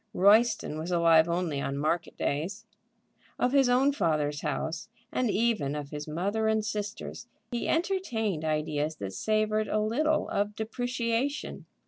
Royston was alive only on market days. Of his own father's house, and even of his mother and sisters, he entertained ideas that savored a little of depreciation.